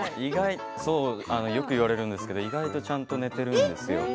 よくいわれるんですけど意外とちゃんと寝てるんですよ。